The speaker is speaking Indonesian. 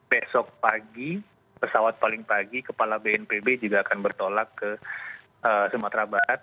besok pagi pesawat paling pagi kepala bnpb juga akan bertolak ke sumatera barat